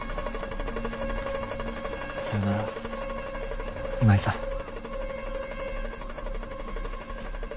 さよなら今井さん。